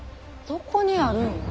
どこにあるんや。